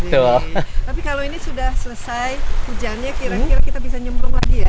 tapi kalau ini sudah selesai hujannya kira kira kita bisa nyemprong lagi ya